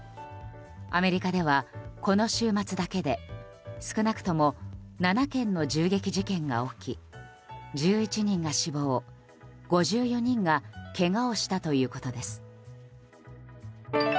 アメリカでは、この週末だけで少なくとも７件の銃撃事件が起き１１人が死亡、５４人がけがをしたということです。